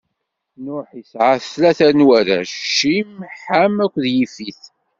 Nuḥ isɛa-d tlata n warrac: Cim, Ḥam akked Yifit.